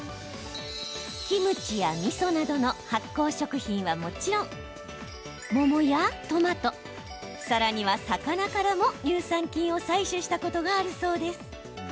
キムチや、みそなどの発酵食品はもちろん桃やトマトさらには魚からも乳酸菌を採取したことがあるそうです。